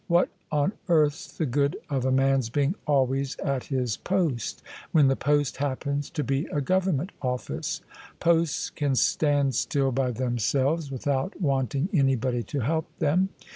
What on earth's the good of a man's being always at his post, when the post happens to be a Government OflSce? Posts can stand still by them selves, without wanting anybody to help them.